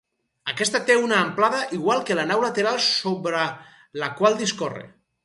Aquesta té una amplada igual que la nau lateral sobra la qual discorre.